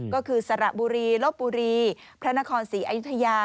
ก็คือสระบุรีลบบุรีพระนครศรีอยุธยา